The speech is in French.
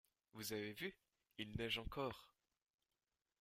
Vous avez vu? Il neige encore!